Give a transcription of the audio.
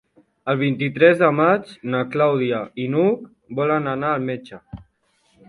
El vint-i-tres de maig na Clàudia i n'Hug volen anar al metge.